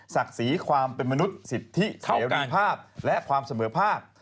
ศักดิ์ศรีความเป็นมนุษย์สิทธิเสรีภาพและความเสมอภาค